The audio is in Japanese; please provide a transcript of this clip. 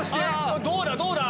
どうだ？